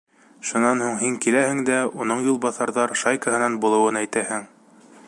Шунан һуң һин киләһеңдә уның юлбаҫарҙар шайкаһынан булыуын әйтәһең.